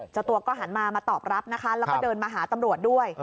เจ้าตัวก็หันมามาตอบรับนะคะแล้วก็เดินมาหาตำรวจด้วย